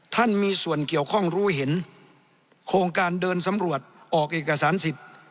ท่านมีส่วนเกี่ยวข้องรู้เห็นโครงการเดินสำรวจออกเอกสารสิทธิ์